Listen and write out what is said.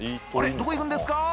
どこ行くんですか？